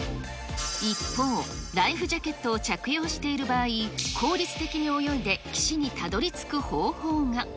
一方、ライフジャケットを着用している場合、効率的に泳いで岸にたどり着く方法が。